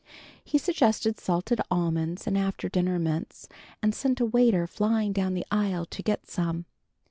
He suggested salted almonds and after dinner mints, and sent a waiter flying down the aisle to get some.